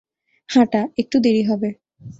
হাঁটা, একটু দেরি হবে।